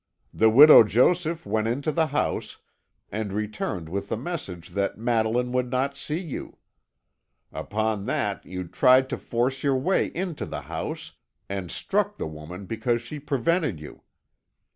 The Widow Joseph went into the house, and returned with the message that Madeline would not see you. Upon that you tried to force your way into the house, and struck the woman because she prevented you.